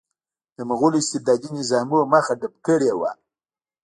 د مغولو استبدادي نظامونو مخه ډپ کړې وه.